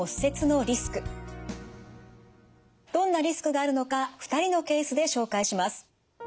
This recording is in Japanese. どんなリスクがあるのか２人のケースで紹介します。